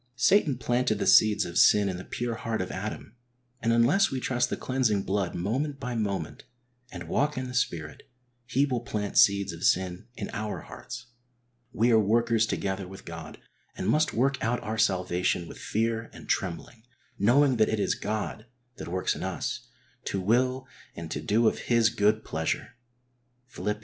Satan planted the seeds of sin in the pure heart of Adam, and unless we trust the cleansing blood moment by moment, and walk in the Spirit, he will plant seeds of sin in our hearts. We arc workers together with God and must work out our salvation with fear and trembling, knowing that it is God that works in us, to will and to do of His good pleasure \Phil. ii.